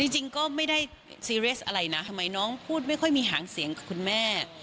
จริงก็ไม่ได้ซีเรียสอะไรนะทำไมน้องพูดไม่ค่อยมีหางเสียงกับคุณแม่